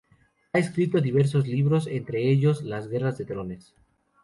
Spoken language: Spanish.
Ha escrito diversos libros, entre ellos ""Las guerras de los drones.